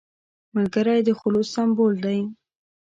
ملګری د خلوص سمبول دی